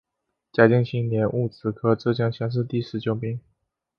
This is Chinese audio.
嘉靖七年戊子科浙江乡试第十九名。